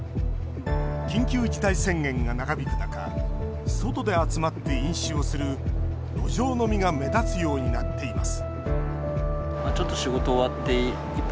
緊急事態宣言が長引く中外で集まって飲酒をする路上飲みが目立つようになっています